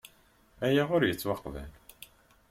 Aya ur yettwaqbal.